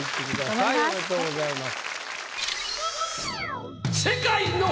おめでとうございます。